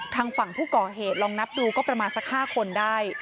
ทางฝั่งผู้ก่อเหตุลองนับดูก็ประมาณสัก๕คนได้